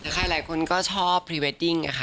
แต่ใครหลายคนก็ชอบพรีเวดดิ้งค่ะ